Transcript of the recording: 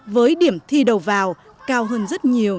với điểm thi đầu vào cao hơn rất nhiều